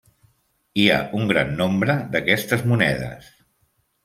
Hi ha un gran nombre d'aquestes monedes.